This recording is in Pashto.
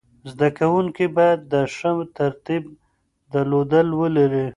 زده کوونکي باید د ښه تربیت درلودل ولري.